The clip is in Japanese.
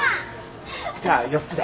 じゃあ４つで。